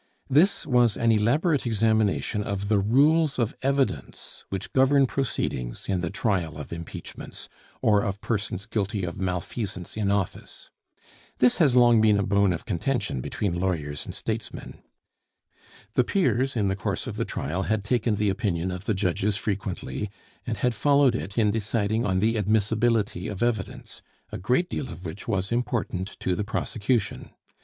This was an elaborate examination of the rules of evidence which govern proceedings in the trial of impeachments, or of persons guilty of malfeasance in office. This has long been a bone of contention between lawyers and statesmen. The Peers in the course of the trial had taken the opinion of the judges frequently, and had followed it in deciding on the admissibility of evidence, a great deal of which was important to the prosecution.